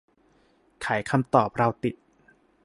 ไขคำตอบเราติด